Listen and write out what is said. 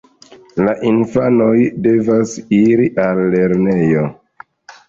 La infanoj devas iri al lernejo.